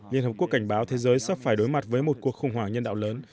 liên hợp quốc cảnh báo thế giới sắp phải đối mặt với một cuộc khủng hoảng nhân đạo lớn